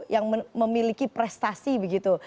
yang memiliki prestasi begitu